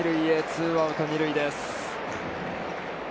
ツーアウト、二塁です。